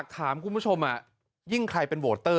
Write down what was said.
ถามคุณผู้ชมยิ่งใครเป็นโวเตอร์